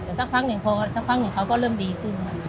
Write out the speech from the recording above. แต่สักพักพีคเขาเริ่มดีกว่า